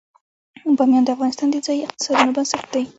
بامیان د افغانستان د ځایي اقتصادونو بنسټ دی.